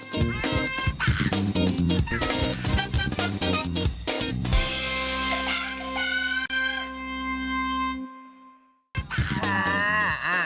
โอเคช่วงหน้ามาฟังก่อน